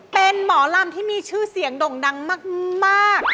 เป็นหมอลำที่มีชื่อเสียงด่งดังมาก